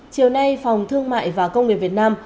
chiều nay phòng thương mại và công nghiệp việt nam